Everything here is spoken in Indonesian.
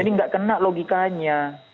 jadi enggak kena logikanya